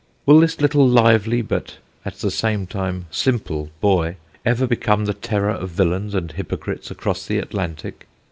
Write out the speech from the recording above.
Will this little lively, but, at the same time, simple boy, ever become the terror of villains and hypocrites across the Atlantic?